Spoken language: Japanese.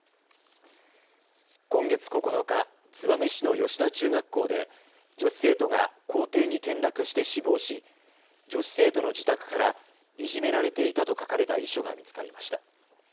今月９日、燕市の吉田中学校で女子生徒が校庭に転落して死亡し、女子生徒の自宅からいじめられていたと書かれた遺書が見つかりました。